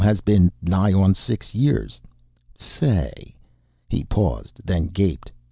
Has been, nigh on six years. Say " He paused, then gaped.